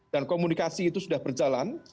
dan komunikasi itu sudah berjalan